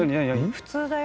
普通だよ。